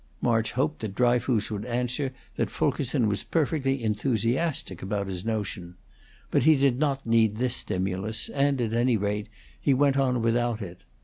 March hoped that Dryfoos would answer that Fulkerson was perfectly enthusiastic about his notion; but he did not need this stimulus, and, at any rate, he went on without it.